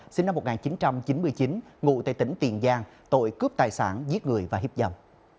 sinh năm một nghìn chín trăm chín mươi chín ngụ tại tỉnh tiền giang tội cướp tài sản giết người và hiếp dâm